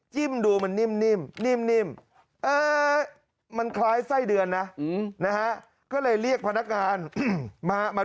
จิ้มดูมันนิ่ม